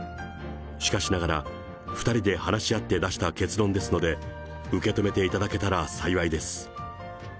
しかしながら、２人で話し合って出した結論ですので、受け止めていただけたら幸いです。